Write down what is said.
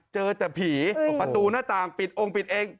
เจอแต่ผีประตูหน้าต่างปิดองค์ปิดเอง